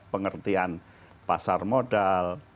pengertian pasar modal